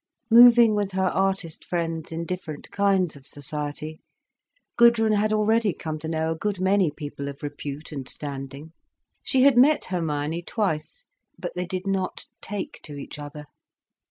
Moving with her artist friends in different kinds of society, Gudrun had already come to know a good many people of repute and standing. She had met Hermione twice, but they did not take to each other.